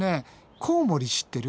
コウモリ知ってる？